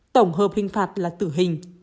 đồng hợp hình phạt là tử hình